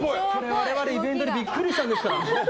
我々、イベントでビックリしたんですから。